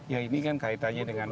ya ini kan kaitannya dengan